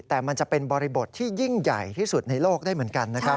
แต่มันจะเป็นบริบทที่ยิ่งใหญ่ที่สุดในโลกได้เหมือนกันนะครับ